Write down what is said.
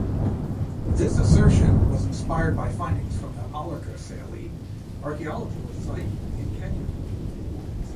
This assertion was inspired by findings from the Olorgesailie archaeological site in Kenya.